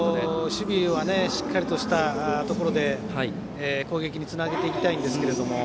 守備はしっかりとしたところで攻撃につなげていきたいんですけども。